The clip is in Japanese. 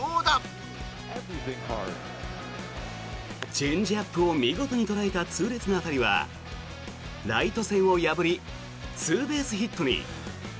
チェンジアップを見事に捉えた痛烈な当たりはライト線を破りツーベースヒットに。